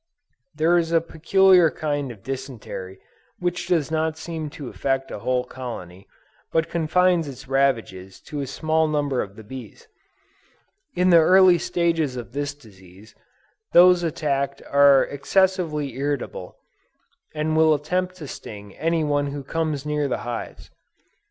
There is a peculiar kind of dysentery which does not seem to affect a whole colony, but confines its ravages to a small number of the bees. In the early stages of this disease, those attacked are excessively irritable, and will attempt to sting any one who comes near the hives.